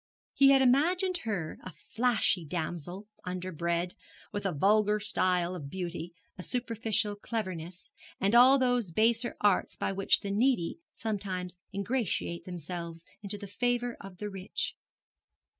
He had imagined her a flashy damsel, underbred, with a vulgar style of beauty, a superficial cleverness, and all those baser arts by which the needy sometimes ingratiate themselves into the favour of the rich.